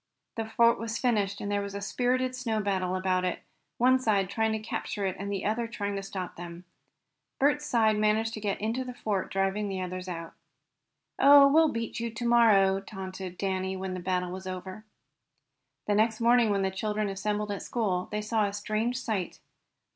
The fort was finished, and there was a spirited snow battle about it, one side trying to capture it and the other trying to stop them. Bert's side managed to get into the fort, driving the others out. "Oh, we'll beat you to morrow!" taunted Danny, when the battle was over. The next morning, when the children assembled at school, they saw a strange sight.